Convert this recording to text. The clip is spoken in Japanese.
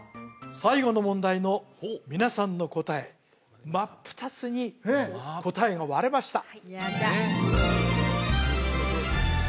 最後の問題の皆さんの答え真っ二つに答えが割れました